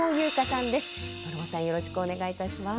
丸茂さんよろしくお願いいたします。